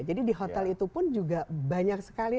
jadi di hotel itu pun juga banyak sekali